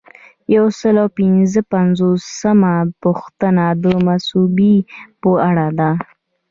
یو سل او پنځه پنځوسمه پوښتنه د مصوبې په اړه ده.